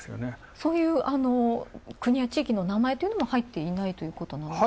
そういう、国や地域の名前も入っていないということなんですか。